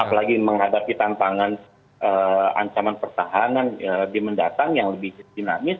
apalagi menghadapi tantangan ancaman pertahanan di mendatang yang lebih dinamis